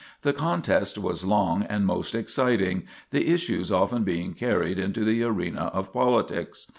The contest was long and most exciting, the issues often being carried into the arena of politics.